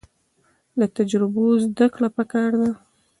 له تجربو زده کړه پکار ده